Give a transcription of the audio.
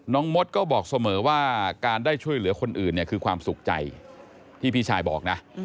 มดก็บอกเสมอว่าการได้ช่วยเหลือคนอื่นเนี่ยคือความสุขใจที่พี่ชายบอกนะ